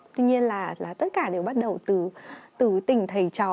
tuy nhiên là tất cả đều bắt đầu từ tỉnh thầy trò